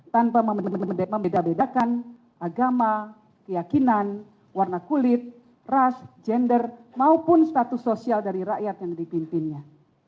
tanpa membeda bedakan agama keyakinan warna kulit ras gender maupun status sosial dari rakyat yang dipimpinnya